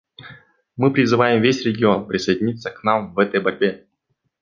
Мы призываем весь регион присоединиться к нам в этой борьбе.